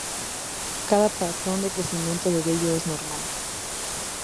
Cada patrón de crecimiento del vello es normal.